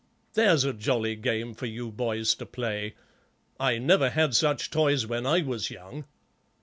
There's a jolly game for you boys to play. I never had such toys when I was young."